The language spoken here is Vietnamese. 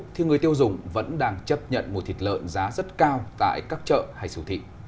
thì người tiêu dùng vẫn đang chấp nhận một thịt lợn giá rất cao tại các chợ hay siêu thị